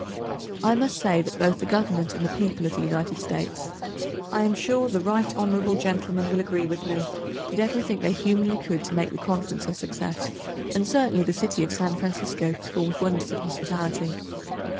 I must say that both the Government and the people of the United States—I am sure the right hon. Gentleman will agree with me—did everything they humanly could to make the Conference a success, and certainly the city of San Francisco performed wonders of hospitality.